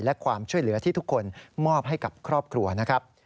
และความช่วยเหลือที่ทุกคนมอบให้กับครอบครัวนะครับ